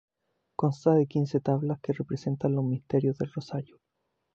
Consta de quince tablas que representan los misterios del Rosario.